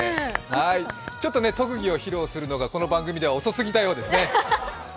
ちょっと特技を披露するのがこの番組では遅すぎましたね。